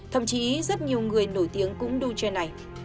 thậm chí rất nhiều người nổi tiếng cũng đu trend này